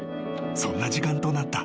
そんな時間となった］